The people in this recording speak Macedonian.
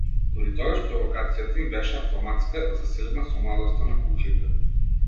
Дури тогаш провокацијата им беше автоматска, засилена со младоста на куклите.